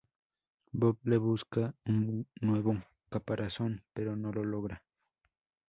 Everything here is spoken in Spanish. Bob le busca un nuevo caparazón pero no lo logra.